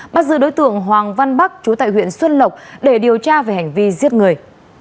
bắt giữ đối tượng hoàng văn bắc chú tại huyện xuân lộc để điều tra về hành vi giết người